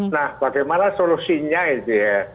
nah bagaimana solusinya itu ya